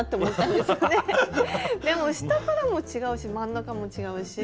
でも下からも違うし真ん中も違うし。